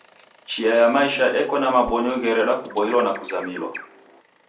Chia ya maisha eko na mabonyo ghereda kuboilwa na kuzamilwa.